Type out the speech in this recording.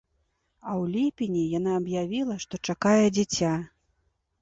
А ў ліпені яна аб'явіла, што чакае дзіця.